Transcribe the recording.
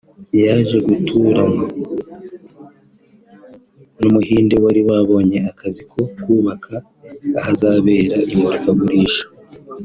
yaje guturana n’Umuhinde wari wabonye akazi ko kubaka ahazabera imurikagurisha